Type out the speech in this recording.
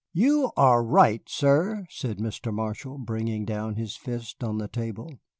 "You are right, sir," said Mr. Marshall, bringing down his fist on the table.